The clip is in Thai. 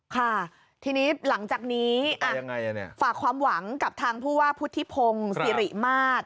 ค่ะทีนี้หลังจากนี้ฝากความหวังกับทางผู้ว่าพุทธิพงศ์สิริมาตร